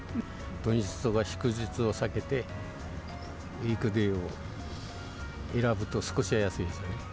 土日とか祝日を避けて、ウイークデーを選ぶと少しは安いですよね。